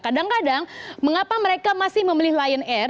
kadang kadang mengapa mereka masih memilih lion air